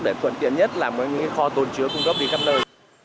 để tuần tiện nhất làm những kho tồn chứa cùng góp đi khắp nơi